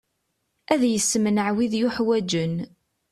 Ad yessemneɛ wid yuḥwaǧen.